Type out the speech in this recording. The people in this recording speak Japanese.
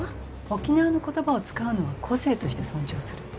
沖縄の言葉を使うのは個性として尊重する。